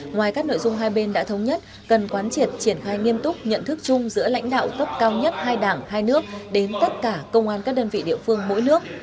ngoài các nội dung hai bên đã thống nhất cần quán triệt triển khai nghiêm túc nhận thức chung giữa lãnh đạo cấp cao nhất hai đảng hai nước đến tất cả công an các đơn vị địa phương mỗi nước